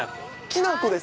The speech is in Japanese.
きな粉。